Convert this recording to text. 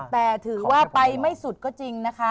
แต่ถือว่าไปไม่สุดก็จริงนะคะ